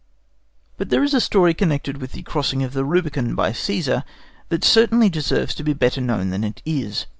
But there is a story connected with the crossing of the Rubicon by Cæsar that certainly deserves to be better known than it is.